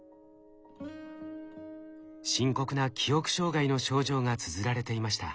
深刻な記憶障害の症状がつづられていました。